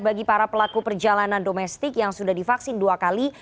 bagi para pelaku perjalanan domestik yang sudah divaksin dua kali